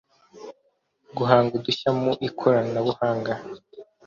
Guhanga udushya mu ikoranabuhanga;